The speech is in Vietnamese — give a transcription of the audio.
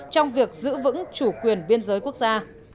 trong việc giữ vững chủ quyền biên giới quốc gia